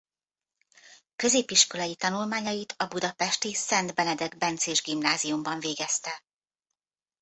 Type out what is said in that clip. Középiskolai tanulmányait a budapesti Szent Benedek Bencés Gimnáziumban végezte.